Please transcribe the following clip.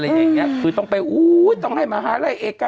แต่หนูจะเอากับน้องเขามาแต่ว่า